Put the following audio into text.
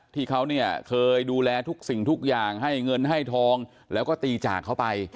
ที่เขาเนี่ยเคยดูแลทุกสิ่งทุกอย่างให้เงินให้ทองแล้วก็ตีจากเขาไป